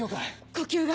呼吸が。